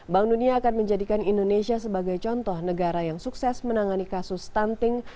bank dunia akan menjadikan indonesia sebagai contoh negara yang sukses menangani kasus stunting